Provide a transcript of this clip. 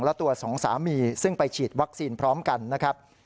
และตัวสองสามีซึ่งไปฉีดวัคซีนพร้อมกันนะครับ